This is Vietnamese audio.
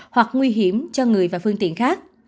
hoặc nguy hiểm cho người và phương tiện khác